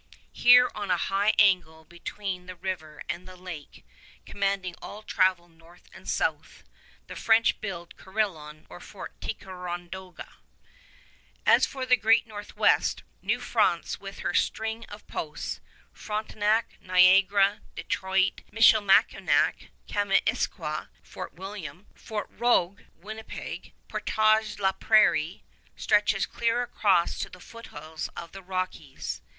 Here on a high angle between the river and the lake, commanding all travel north and south, the French build Carillon or Fort Ticonderoga. As for the Great Northwest, New France with her string of posts Frontenac, Niagara, Detroit, Michilimackinac, Kaministiquia (Fort William), Fort Rogue (Winnipeg), Portage la Prairie stretches clear across to the foothills of the Rockies.